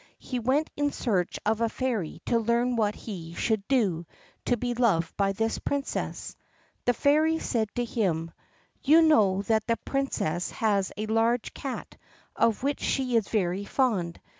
He went in search of a Fairy to learn what he should do to be loved by this Princess. The Fairy said to him, "You know that the Princess has a large cat, of which she is very fond.